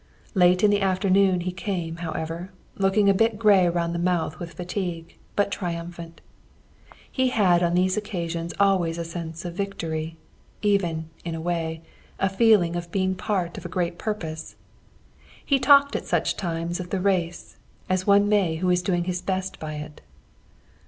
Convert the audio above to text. Late in the afternoon he came, however looking a bit gray round the mouth with fatigue, but triumphant. He had on these occasions always a sense of victory; even, in a way, a feeling of being part of a great purpose. He talked at such times of the race, as one may who is doing his best by it.